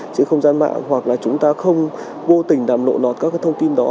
trên không gian mạng hoặc là chúng ta không vô tình đàm lộ nọt các thông tin đó